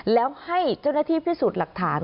แล้วให้เจ้าหน้าที่พิสูจน์หลักฐาน